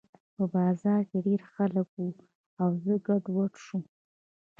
په بازار کې ډېر خلک وو او زه ګډوډ شوم